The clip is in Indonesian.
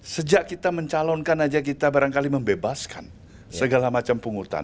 sejak kita mencalonkan saja kita barangkali membebaskan segala macam pungutan